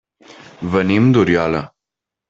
Venim d'Oriola.